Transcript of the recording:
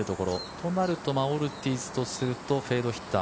となると、オルティーズとするとフェードヒッター。